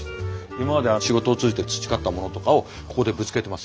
今まで仕事を通じて培ったものとかをここでぶつけてます。